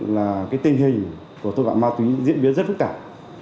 là cái tình hình của tội phạm ma túy diễn biến rất phức tạp